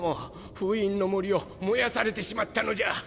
封印の森を燃やされてしまったのじゃ。